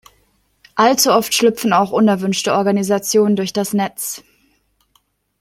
Allzu oft schlüpfen auch unerwünschte Organisationen durch das Netz.